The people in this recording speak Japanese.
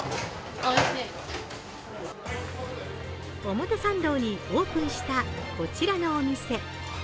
表参道にオープンしたこちらのお店。